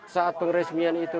saat pengresmian itu